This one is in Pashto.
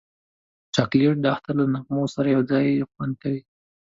چاکلېټ د اختر له نغمو سره یو ځای خوند کوي.